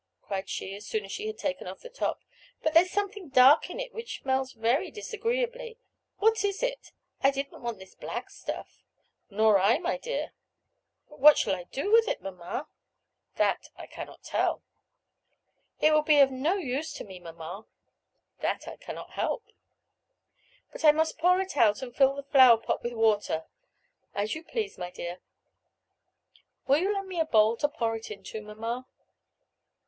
cried she, as soon as she had taken off the top, "but there's something dark in it which smells very disagreeably. What is it? I didn't want this black stuff." "Nor I, my dear." "But what shall I do with it, mamma?" "That I cannot tell." "It will be of no use to me, mamma." "That I cannot help." "But I must pour it out, and fill the flower pot with water." "As you please, my dear." "Will you lend me a bowl to pour it into, mamma?"